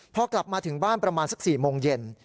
พอกลับมาถึงบ้านประมาณสัก๔โมงเย็น